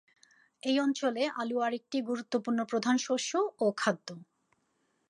এই অঞ্চলে আলু আরেকটি গুরুত্বপূর্ণ প্রধান শস্য ও খাদ্য।